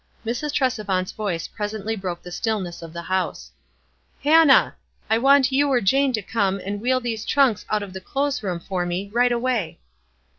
Mrs. Tresevant's voice presently broke the stillness of the house :" Hannah ! I want you or Jane to come and wheel these trunks out of the clothes room foi me, right away."